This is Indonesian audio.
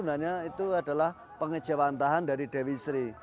jadi itu adalah pengecewantahan dari dewi sri